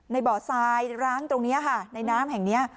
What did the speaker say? บ่อทรายร้างตรงนี้ค่ะในน้ำแห่งนี้